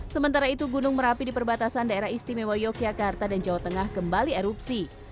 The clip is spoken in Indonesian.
sementara itu gunung merapi di perbatasan daerah istimewa yogyakarta dan jawa tengah kembali erupsi